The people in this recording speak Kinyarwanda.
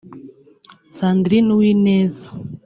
Sandrine Uwineza